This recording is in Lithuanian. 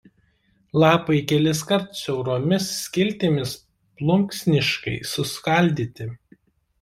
Lapai keliskart siauromis skiltimis plunksniškai suskaldyti.